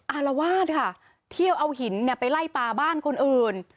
อารวาสค่ะเที่ยวเอาหินเนี่ยไปไล่ปลาบ้านคนอื่น